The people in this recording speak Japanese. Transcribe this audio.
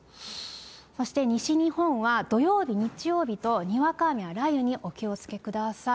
そして西日本は土曜日、日曜日とにわか雨や雷雨にお気をつけください。